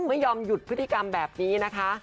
ไม่ยอมหยุดพฤติกรรมแบบนี้นะคะ